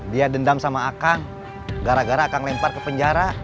dia dendam sama akang gara gara akan lempar ke penjara